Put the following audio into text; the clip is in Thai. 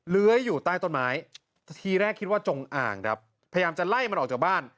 เลื้อยอยู่ใต้ต้นไม้ทีแรกคิดว่าจงอ่างครับพยายามจะไล่มันออกจากบ้าน